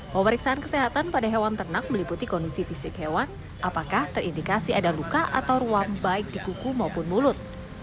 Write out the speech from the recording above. pemeriksaan kesehatan pada hewan ternak meliputi kondisi fisik hewan apakah terindikasi ada luka atau ruam baik di kuku maupun mulut